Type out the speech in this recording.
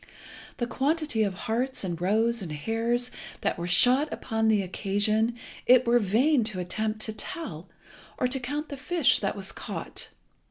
The quantity of harts and roes and hares that were shot upon the occasion it were vain to attempt to tell, or to count the fish that was caught.